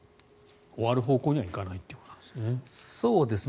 終わる方向にはいかないということなんですね。